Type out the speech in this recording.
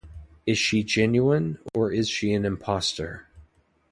Is she genuine, or is she an impostor?